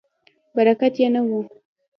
برکت یې نه و.